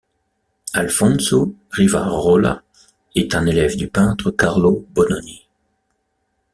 Alfonso Rivarola est un élève du peintre Carlo Bononi.